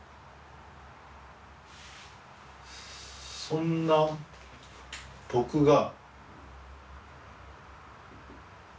そんな僕が。